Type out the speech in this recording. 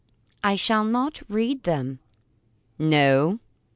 "I shall not read them." "No?"